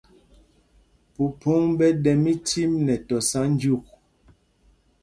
Mpumpoŋ ɓɛ ɗɛ micim nɛ tɔsa jyûk.